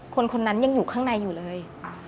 คนคนนั้นยังอยู่ข้างในอยู่เลย